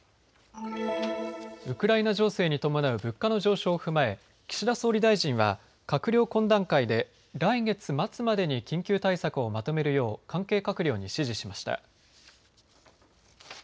ウクライナ情勢に伴う物価の上昇を踏まえ岸田総理大臣は閣僚懇談会で来月末までに緊急対策をまとめるよう関係閣僚に指示しました。